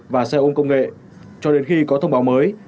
và xe ôm công nghệ cho đến khi có thông báo mới